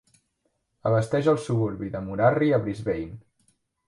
Abasteix el suburbi de Murarrie a Brisbane.